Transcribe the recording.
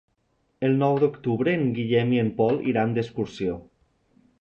El nou d'octubre en Guillem i en Pol iran d'excursió.